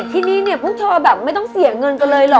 ที่นี่พูดค่าว่าไม่ต้องเสียเงินไปเลยหรอ